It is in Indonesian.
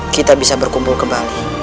kita bisa berkumpul kembali